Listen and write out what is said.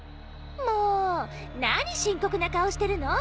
もう何深刻な顔してるの？